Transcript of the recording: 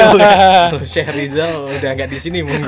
lu syekh rizal udah nggak di sini